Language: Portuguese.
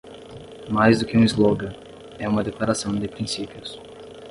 Mais do que um slogan, é uma declaração de princípios.